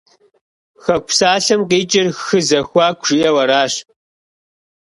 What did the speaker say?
«Хэку» псалъэм къикӀыр «хы зэхуаку» жиӀэу аращ.